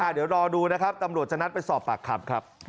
เดี๋ยวรอดูนะครับตำรวจจะนัดไปสอบปากคำครับ